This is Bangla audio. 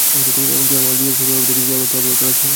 এমনকি আমার বিয়ের সময়ও আমি দেখেছি যে, আমাকে আমার মতো লাগছে না।